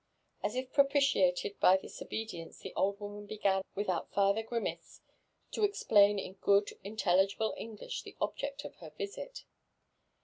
As if propitiated by this obe^ence, the old woman began without farther ^imace to explain in good iatelligible English the object of her visit.